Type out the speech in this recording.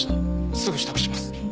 すぐ支度します。